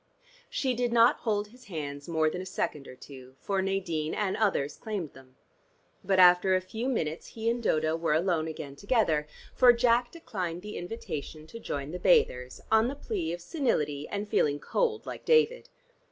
She did not hold his hands more than a second or two, for Nadine and others claimed them. But after a few minutes he and Dodo were alone again together, for Jack declined the invitation to join the bathers, on the plea of senility and feeling cold like David.